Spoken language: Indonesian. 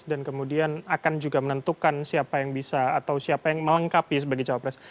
dan kemudian akan juga menentukan siapa yang bisa atau siapa yang melengkapi sebagai capres